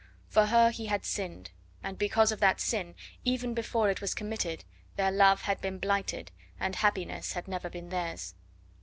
For her he had sinned, and because of that sin, even before it was committed, their love had been blighted, and happiness had never been theirs.